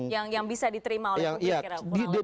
yang bisa diterima oleh publik kurang lebih